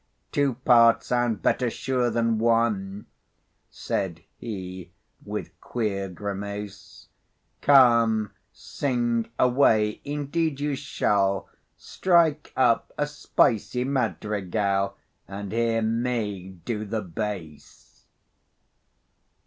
Two parts sound better sure than one," Said he, with queer grimace: "Come sing away, indeed you shall; Strike up a spicy madrigal, And hear me do the bass."